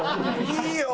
いいよ！